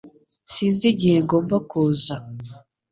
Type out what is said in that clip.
Sinzi igihe ngomba kuza